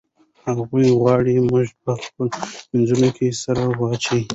هغوی غواړي موږ په خپلو منځونو کې سره واچوي.